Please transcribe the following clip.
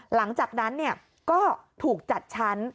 หลังจากนั้นก็ถูกจัดชั้น